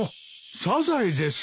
サザエですか。